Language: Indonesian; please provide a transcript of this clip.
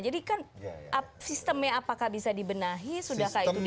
jadi kan sistemnya apakah bisa dibenahi sudahkah itu disadari